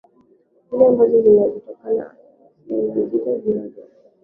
hali ambazo zinatokana hali zisio sawa zinatokana